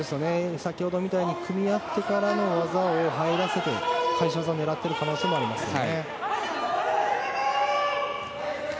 先ほどみたいに組み合ってからの技をやらせて返し技を狙っている可能性もありますね。